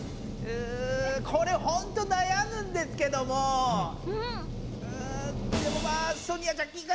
うぅこれほんとなやむんですけどもうんでもまあわい！